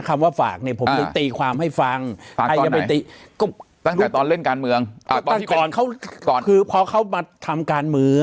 คำว่าฝากเนี้ยผมเลยตีความให้ฟังตั้งแต่ตอนเล่นการเมืองคือพอเขามาทำการเมือง